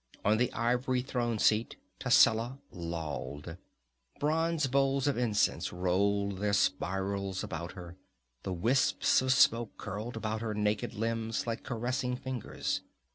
On the ivory throne seat Tascela lolled. Bronze bowls of incense rolled their spirals about her; the wisps of smoke curled about her naked limbs like caressing fingers.